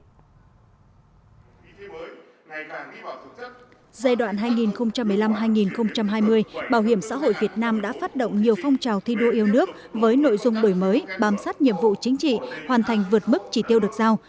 giai đoạn hai nghìn một mươi năm hai nghìn hai mươi bảo hiểm xã hội việt nam đã phát động nhiều phong trào thi đua yêu nước với nội dung đổi mới bám sát nhiệm vụ chính trị hoàn thành vượt mức chỉ tiêu được giao